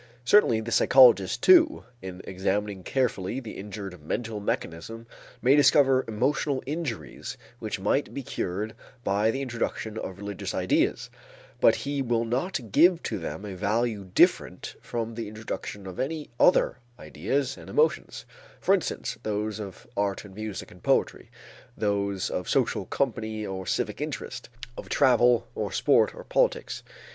Certainly the psychologist, too, in examining carefully the injured mental mechanism may discover emotional injuries which might be cured by the introduction of religious ideas, but he will not give to them a value different from the introduction of any other ideas and emotions, for instance, those of art and music and poetry, those of social company or civic interest, of travel or sport or politics.